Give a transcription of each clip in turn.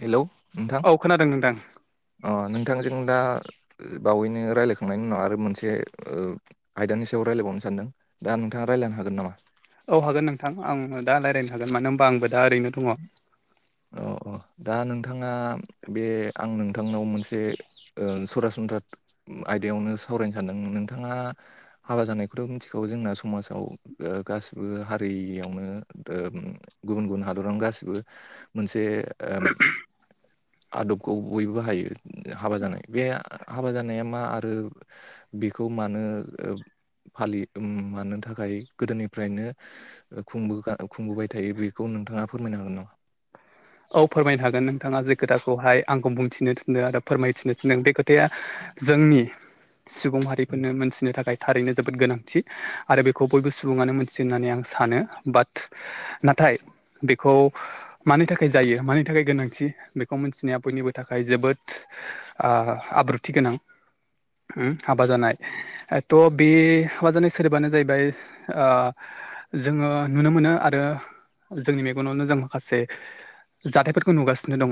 Hello नोंथां औ खोनादों नोंथां अ नोंथांजों दा बावैनो रायलायखांनायनि उनाव आरो मोनसे ओ आयदानि सायाव रायलायबावनो सानदों दा नोंथाङा रायलायनो हागोन नामा औ हागोन नोंथां आं दा रायलायनो हागोन मानो होनबा आंबो दा ओरैनो दङ औ औ दा नोंथाङा बे आं नोंथांनाव मोनसे ओ सरासनस्रा आयदायावनो सावरायनो सानदों नोंथाङा हाबा जानायखौथ' मिथिखागौ जोंना समाजाव गासिबो हारियावनो आरो गुबुन गुबुन हा दरा गासिबो मोनसे आदबखौ बयबो हायो हाबा जानाय बे हाबा जानाया मा आरो बेखौ मानो फालियो मानो थाखाय गोदोनिफ्रायनो खुंबोबाय थायो बेखौ नोंथाङा फोरमायनो हागोन नामा औ फोरमायनो हागोन नोंथाङा जे खोथाखौहाय आंखौ बुंथिनो थिनदों आरो फोरमायथिनो थिनदों बे खोथाया जोंनि सुबुं हारिफोरनो मोनथिनो थाखाय थारैनो जोबोद गोनांथि आरो बेखौ बयबो सुबुङानो मोनथियो होननानै आं सानो बाट नाथाय बेखौ मानि था खाय जायो मानि थाखाय गोनांथि बेखौ मिथिनाया बयनिबो थाखाय जोबोद ओ आब्रुथि गोनां हाबा जानाय त' बे हाबा जानाय सोदोबानो जाहैबाय ओ जोङो नुनो मोनो आरो जोंनि मेगनावनो जों माखासे जाथायफोरखौ नुगासिनो दङ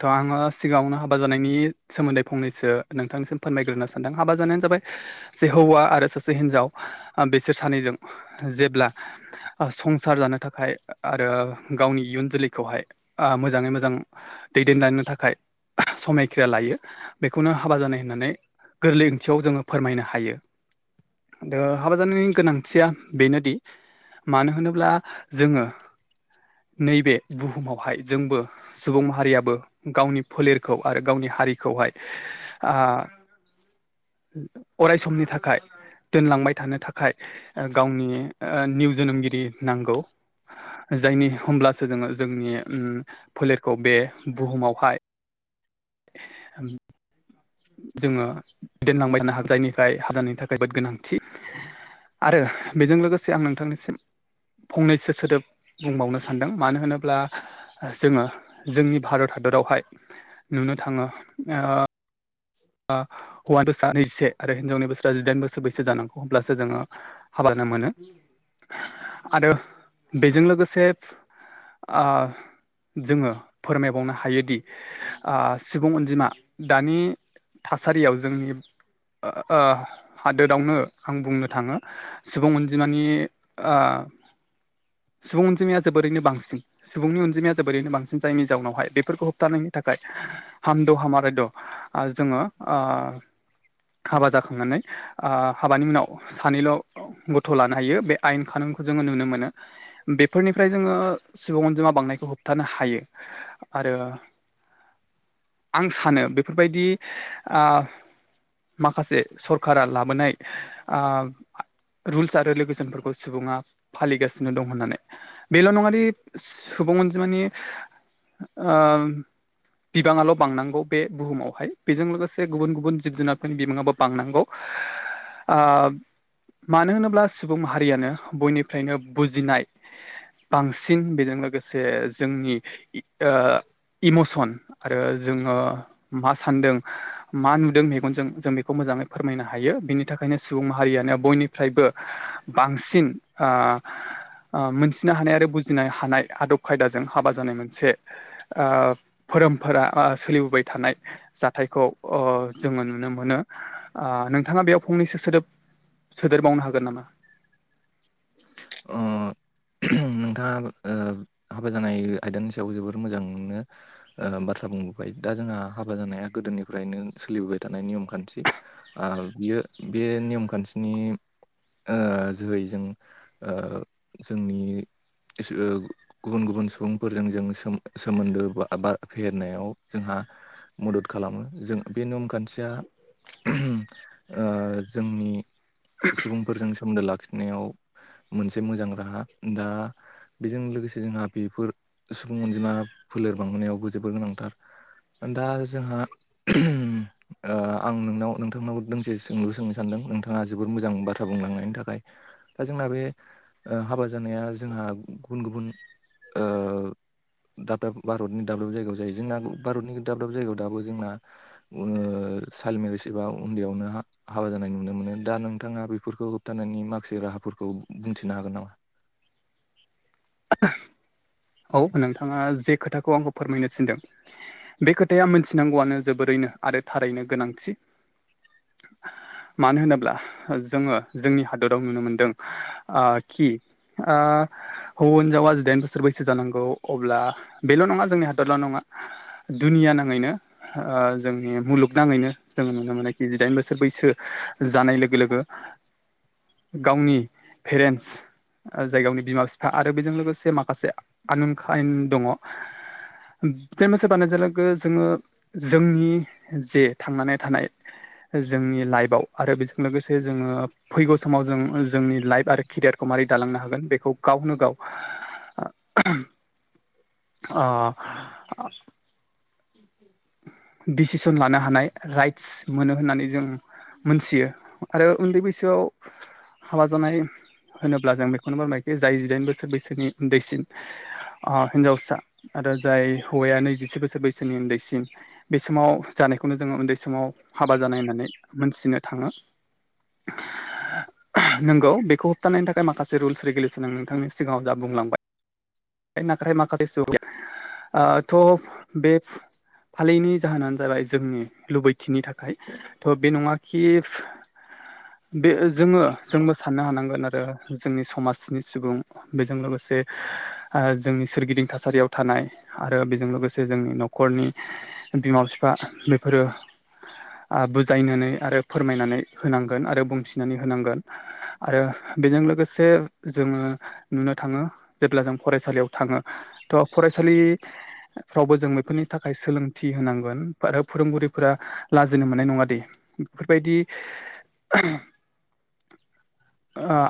थ' आङो सिगाङावनो हाबा जानायनि सोमोन्दै फंनैसो नोंथांसिम फोरमायगोरोनो सानदों हाबा जानायानो जाबाय सासे हौवा आरो सासे हिनजाव बिसोर सानैजों जेब्ला संसार जानो थाखाय आरो गावनि इयुन जोलैखौहाय मोजाङै मोजां दैदेनलांनो थाखाय समायखिरा लायो बेखौनो हाबा जानाय होननानै गोरलै ओंथियाव जोङो फोरमायनो हायो दा हाबा जानायनि गोनांथिया बेनोदि मानो होनोब्ला जोङो नैबे बुहुमावहाय जोंबो सुबुं माहारियाबो गावनि फोलेरखौ आरो गावनि हारिखौहाय आ अराय समनि थाखाय दोनलांबाय थानो थाखाय गावनि निउ जोनोमगिरि नांगौ जायनि होमब्लासो जोङो जोंनि फोलेरखौ बे बुहुमावहाय उम जोङो दोनलांबाय थानो हागोन जायनिफ्राय हा जानायनि थाखाय जोबोद गोनांथि आरो बेजों लोगोसे आं नोंथांनिसिम फंनैसो सोदोब बुंबावनो सानदों मानो होनोब्ला जोङो जोंनि भारत हादरावहाय नुनो थाङो ओ ए [inaudible] हौवानि बैसोवाजिसे आरो हिनजावनि बोसोरा जिदाइन बोसोर बैसो जानां अब्लासो जोङो हाबा जानो मोनो। आरो बेजों लोगोसे ओ जोङो फोरमायबावनो हायोदि ओ सुबुं अनजिमा दानि थासारियाव जोंनि आ हादोरावनो आं बुंनो थाङो। सुबुं अनजिमानि आ सुबुं अनजिमाया जोबोरैनो बांसिन। सुबुंनि अनजिमाया जोबोरैनो बांसिन जायनि जाउनावहाय बेफोरखौ होबथानायनि थाखाय हाम द' हामारा द' ओ जोङो ओ हाबा जाखांनानै ओ हाबानि उनाव सानैल' गथ' लानो हायो बे आयेन खानुनखौ जोङो नुनो मोनो। बेफोरनिफ्राय जोङो सुबुं अनजिमा बांनायखौ होबथानो हायो। आरो आं सानो बेफोर बायदि आ माखासे सरकारा लाबोनाय ओ रुल्स आरो रेगुलेसनफोरखौ सुबुङा फालिगासिनो दं होननानै बेल' नङा दि सुबुं अनजिमानि ओ बिबाङाल' बांनांगौ बे बुहुमावहाय बेजों लोगोसे गुबुन गुबुन जिब जुनारफोरनि बिबाङाबो बांनांगौ आ मानो होनोब्ला सुबुं माहारियानो बयनिफ्रायनो बुजिनाय। बांसिन बेजों लोगोसे जोंनि ओ इमसन आरो जोङो मा सानदों। मा नुदों मेगनजों जों बेखौ मोजाङै फोरमायनो हायो बेनि थाखायनो सुबुं माहारियानो बयनि फ्रायबो बांसिन ओ ओ मोनथिनो हानाय आरो बुजिनो हानाय आदब खायदाजों हाबा जानाय मोनसे ओ फोरोमफोरा बा सोलिबोबाय थानाय जाथायखौ ओ जोङो नुनो मोनो आ नोंथाङा बेयाव फंनैसो सोदोब सोदेरबावनो हागोन नामा? ओ नोंथाङा ओ हाबा जानाय आयदानि सायाव जोबोर मोजांनो ओ बाथ्रा बुंबोबाय दा जोंहा हाबा जानाया गोदोनिफ्रायनो सोलिबोबाय थानाय नियम खान्थि। ओ बियो बे नियम खान्थिनि ओ जोहै जों ओ जोंनि [unintelligible] गुबुन गुबुन सुबुंफोरजों जों सो-सोमोन्दो बा फेहेरनायाव जोंहा मदद खालामो जों बे नम खान्थिया ओ जोंनि सुबुंफोरजों सोमोन्दो लाखिनायाव मोनसे मोजां राहा दा बेजों लोगोसे जोंहा बेफोर सुबुं अनजिमा फोलेर बांबोनायावबो जोबोर गोनांथार। ओ दा जोंहा ओ आं नोंनाव नोंथांनाव दोंसे सोंलु सोंनो सानदों नोंथाङा जोबोर मोजां बाथ्रा बुंलांनायनि थाखाय। दा जोंना बे ओ हाबा जानाया जोंहा गुबुन गुबुन ओ दाब दाब भारतनि दाब दाब जायगायाव जायो जोंना भारतनि दाब दाब जायगायाव दाबो जोंना ओ साइल्ड मेरिज एबा उन्दैयावनो हा हाबा जानाय नुनो मोनो दा नोंथाङा बेफोरखौ होबथानायनि माखासे राहाफोरखौ बुंथिनो हागोन नामा? औ नोंथाङा जे खोथाखौ आंखौ फोरमायनो थिनदों। बे खोथाया मिथिनांगौआनो जोबोरैनो आरो थारैनो गोनांथि। [inaudible] मानो होनोब्ला जोङो जोंनि हादराव नुनो मोनदों ओ खि आ हौ जोनजावा जिदाइन बोसोर बैसो सो जानांगौ अब्ला बेल' नङा जोंनि हादरल' नङा दुनिया नाङैनो ओ जोंनि मुलुगनाङैनो जोङो नुनो मोनोखि जिदाइन बोसोर बैसो जानाय लोगो लोगो [inaudible] गावनि पेरेन्टस। ओ जाय गावनि बिमा बिफा आरो बेजों लोगोसे माखासे आनोनखायेन दङ'। जिदाइन बोसोर बारनायजो लोगो जोङो जोंनि जे थांनानै थानाय। जोंनि लाइफआव आरो बेजों लोगोसे जोङो फैगौ समाव जों जोंनि लाइफ आरो केरियारखौ मारै दालांनो हागोन बेखौ गावनो गाव [unintelligible] अ [inaudible] दिसिसन लानो हानाय राइट्स मोनो होननानै जों मोनथियो आरो उन्दै बैसोआव हाबा जानाय होनोब्ला जों बेखौनो फोरमायोखि जाय जिदाइन बोसोर बैसोनि उन्दैसिन हिनजावसा आरो जाय हौवाया नैजिसे बोसोर बैसोनि उन्दैसिम बे समाव जानायखौनो जोङो उन्दै समाव हाबा जानाय होननानै मोनथिनो थाङो। [inaudible] नोंगौ बेखौ होबथानायनि थाखाय माखासे रुल्स रेगुलेसन नोंथांनि सिगाङाव दा बुंलांबाय नाथाय माखासे सुबुंनि ओ थ' बे फालिनि जाहोनानो जाबाय जोंनि लुबैथिनि थाखाय थ' बे नङाखि बे जोङो जोंबो साननो हानांगोन। आरो जोंनि समाजनि सुबुं बेजों लोगोसे जोंनि सोरगिदिं थासारियाव थानाय आरो बेजों लोगोसे जोंनि न'खरनि बिमा बिफा बेफोरो बुजायनानै आरो फोरमायनानै होनांगोन आरो बुंथिनानै होनांगोन। आरो बेजों लोगोसे जोङो नुनो थाङो। जेब्ला जों फरायसालियाव थाङो थ फरायसालिफ्रावबो जों बेफोरनि थाखाय सोलों होनांगोन। आरो फोरोंगुरुफोरा लाजिनो मोननाय नङादे बेफोरबायदि [unintelligible]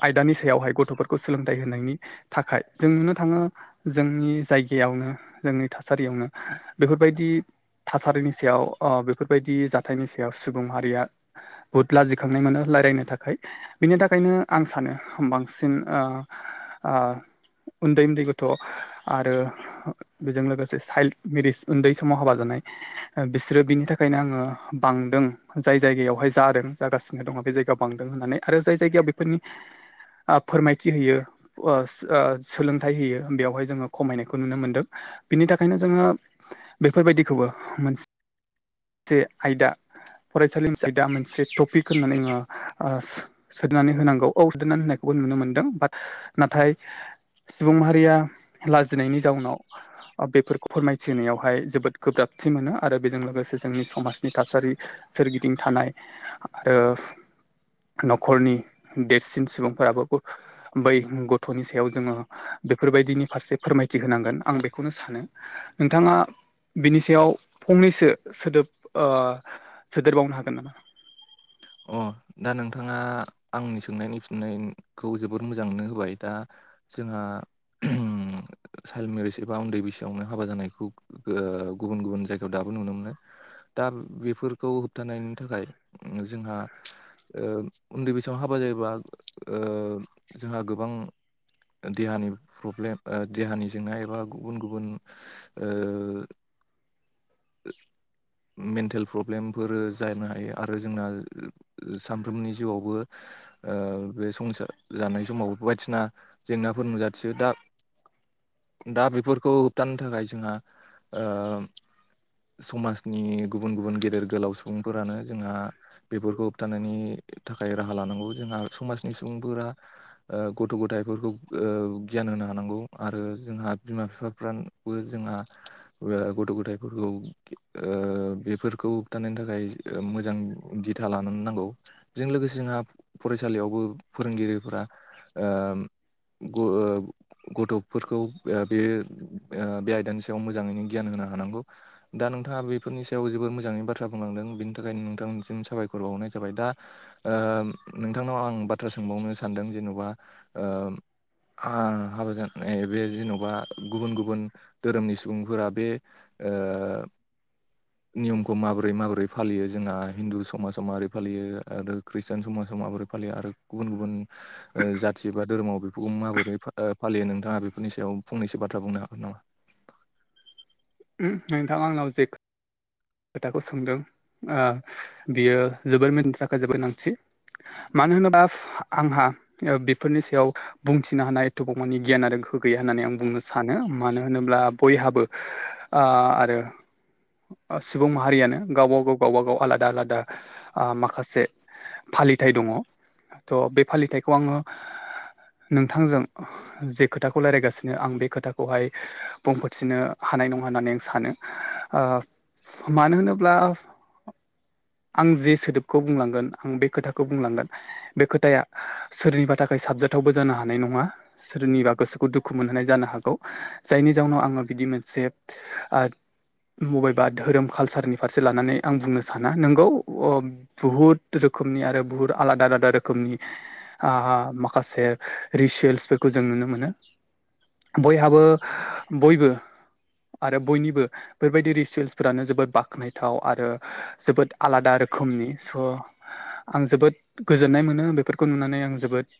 आयदानि सायावहाय गथ'फोरखौ सोलोंथाइ होनायनि थाखाय जों नुनो थाङो जोंनि जायगायावनो जोंनि थासारियावनो बेफोरबायदि थासारिनि सायाव बेफोरबायदि जाथायनि सायाव सुबुं हारिया बुहुद लाजिखांनाय मोनो। लायरायनो थाखाय बिनि थाखाय बेखायनो आं सानो बांसिन ओ ओ उन्दै उन्दै गथ' आरो बेजों लोगोसे साइल्ड मेरिस उन्दै समाव हाबा जानाय बिसोरो बिनि थाखायनो आङो बांदों। जाय जायगायावहाय जादों जागासिनो दङ बे जायगायाव बांदों होननानै। आरो जाय जायगायाव बेफोरनि फोरमायथि होयो। सोलोंथाइ होयो बेवहाय जोङो खमायनायखौ नुनो मोनदों। बिनि थाखायनो जोङो बेफोरबायदिखौबो मोनसे से आयदा फरायसालिनि आयदा मोनसे टपिक होननानै आङो ओ सोनानै होनांगौ। औ सोनानै होनायखौबो नुनो मोनदों बाट नाथाय सुबुं माहारिया लाजिनायनि जाउनाव बेफोरखौ फोरमायथिनायावहाय जोबोद गोब्राबथि मोनो। आरो बेजों लोगोसे जोंनि समाजनि थासारि सोरगिदिं थानाय आरो न'खरनि देरसिन सुबुंफोराबो बै गथ'नि सायाव जोङो बेफोरबायदिनि फारसे फोरमायथि होनांगोन आं बेखौनो सानो। नोंथाङा बिनि सायाव फंनैसो सोदोब ओ सोदेरबावनो हागोन नामा? अ दा नोंथाङा आंनि सोंनायनि फिन्नायखौ जोबोर मोजांनो होबाय दा। जोंहा चाइल्ड मेरिज एबा उन्दै बैसोआवनो हाबा जानायखौओ गुबुन गुबुन जायगायाव दाबो नुनो मोनो। दा बेफोरखौ होब्थानायनि थाखाय जोंहायो उन्दै बैसोआव हाबा जायोबा जोंहा गोबांओ देहानि प्रब्लेम देहानि जेंना एबा गुबुन गुबुनो ओ मेन्टेल प्रब्लेमफोर जानो हायो आरो जोंनानो सानफ्रोमनि जिउआवबो बे संसार जानाय समाव बायदिना जेंनाफोर नुजाथियो दा। दा बेफोरखौ होबथानो थाखाय जोंहा ओ समाजनि गुबुन गुबुन गेदेर गोलाव सुबुंफोरानो जोंहा बेफोरखौ होबथानायनि थाखाय राहा लानांगौ जोंहा समाजनि सुबुंफोराबो गथ' गथायाइफोरखौ गियान होनो हानांगौ आरो जोंहा बिमा बिफाफ्राबो ओ जोंहा गथ' गथायफोरखौ बेफोरखौ होबथानायनि थाखाय मोजां गिया बिथा लानानै नांगौ बेजों लोगोसे जोंहा फरायसालियावबो फोरोंगिरिफ्रा ओ [unintelligible] गथ'फोरखौ बे बे आयदानि सायाव मोजांङैनो गियान होनो हानांगौ। दा नोंथाङा बेफोरनि सायाव जोबबोोर मोजाङै बाथ्रा बुंलांदों बेनि थाखायनो नोंथांनिसिम साबायखरसै फोरबावहरनाय जाबाय दा नोंथांनाव आं बाथ्रा सोंबावनो सानदों जेन'बा ओ हाबा जानाय बे जेन'बा गुबुन गुबुन धोरोमनि सुबुंफोरा बे नियमखौ माबोरै माबोरै फालियो जोंहा हिन्दु समाजावो माबोरै फालियो आरो खृष्टिान समाजाव माबोरै फालियो आरो गुबुन गुबुन जाथि बा धोरोम बेफोरखौ माबोरै फालियो नोंथाङा बेफोरनि सायाव फंनैसो बाथ्रा बुंनो हागोन नामा? नोंथां आंनाव खोथाखौ सोंदों बियो जोबोर मथिनि थाखाय जोबोर नांसि मानो होनोबा आंहा बेफोरनि सायावो बुंथिनो हानाय एथबावमानानि गियान आरो गोहो गैया होननानै आं बुंनो सानो मानो होनोब्ला बयहाबोओ आरो सुबुं माहारियानो गावबा गावनो गावबाागाव आलादा आलादा माखासे फालिथाइ दंङ। ओ बे फालिथायखौ आंङो नोंथांजों जे खोथाखौ राय्लायगासिनो आं बे खोथाखौहाय बुंफोरथिनो हानाय नंङा होननानै आं सानो। मानो होनोब्ला आं जे सोदोबखौ बुंलांगोन आं बे खोथाखौ बुंलांगोन। बे खोथाया सोरनिबा थाखाय साबजाथावबो जानो हानाय नंङा। सोरनिबा गोसोखौ दुखु मोनहोनाय जानो हागौ जायनि जाउनाव आंङो बिदि मोनसे ओ बय बा धोरोम कालसारनि फारसे लानानै आं बुंनो साना नोंगौ‌ औ बुहुत रोखोमनि आरो बुहुत आलादा आलादा रोखोमनि माखासे रिसुयेल्सफोरखौ जों नुनो मोनो। बयहाबो बयबो आरो बयनिबो बेबायदि रिचुयेल्स फोरानो जोबोद बाख्नायथाव आरो जोबोद आलादा रोखोमनि स' आं जोबोद गोजोननाय मोनो बेफोरखौ नुनानै आं जोबोद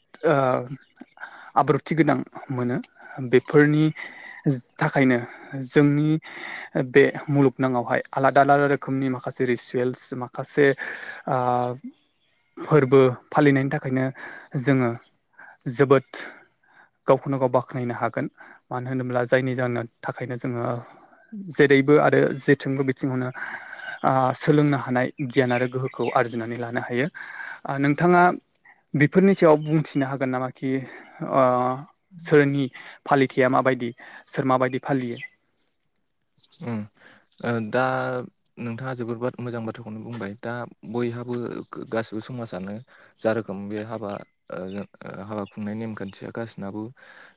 आब्रुथि गोनां मोनो बेफोरनिबो ओ थाखायनो जोंनि बे मुलुग नाङावहाय आलादा आलादा रोखोमनि माखासे रिसुयेल्स माखासे ओ फोरबो फालिनायनि थाखायनो जोंङो जोबोद गावखौनो गाव बाख्नायनो हागोन मानो होनोब्ला जायनि जानो थाखायनो जोङो। जेरैबो आरो जेथंबो बिथिङावनो सोलोंनो हानाय गियान आरो गोहो खौ आरजिनानै लानो हायो ओ नोंथांङा बेफोरनि सायाव बुंथिनो हागोन नामा? कि सोरनि फालिथायया माबायदि सोर माबायदि फालियो? उम आं‌ दा नोंथाङा जोबोर बाद मोजां बाथ्राखौनो बुंबाय दा बयहाबो गासिबो समाजानो ज रोखोम बे हाबा ओ हाबा खुंनाय नेमखान्थिया गासिनाबो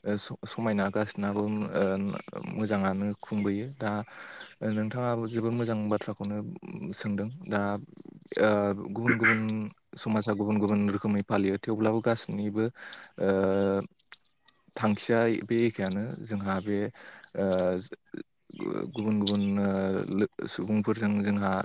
ओ ओ समायना गासिनाबो ओ ओ मोजाङानो खुंबोयो। दा नोंथाङा जोबोद मोजां बाथ्राखौनो सोंदों दा ओ गुबुन गुबुन समाजा गुबुन गुबुन रोखोमै फालियो थेवब्लाबो गासैनिबो ओ थांखिया बे एखेयानो जोंहा बे ओ गुबुन गुबुन सुबुंफोरजों जोंहा